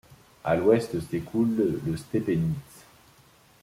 À l'ouest s'écoule le Stepenitz.